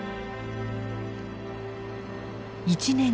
１年後。